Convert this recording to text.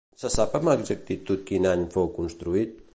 Se sap amb exactitud quin any fou construït?